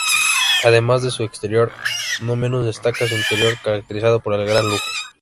Además de su exterior, no menos destaca su interior, caracterizado por el gran lujo.